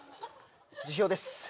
辞表です